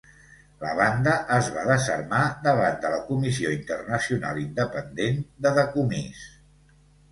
La banda es va desarmar davant de la Comissió Internacional Independent de Decomís.